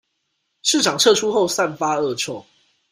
市場撤出後散發惡臭